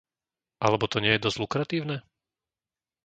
Alebo to nie je dosť lukratívne?